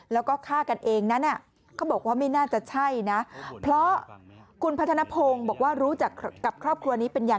แล้วก็ฆ่ากันเองนั่น